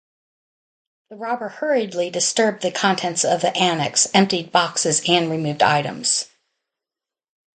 The robber hurriedly disturbed the contents of the annex, emptied boxes and removed items.